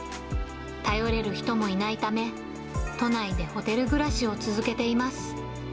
頼れる人もいないため、都内でホテル暮らしを続けています。